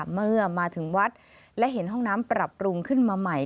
เมื่อมาถึงวัดและเห็นห้องน้ำปรับปรุงขึ้นมาใหม่